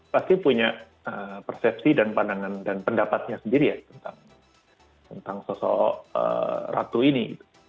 pasti punya persepsi dan pandangan dan pendapatnya sendiri ya tentang sosok ratu ini